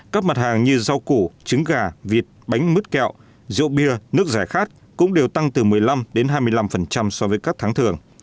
các mặt hàng như rau củ trứng gà vịt bánh mứt kẹo rượu bia nước giải khát cũng đều tăng từ một mươi năm hai mươi năm so với các tháng thường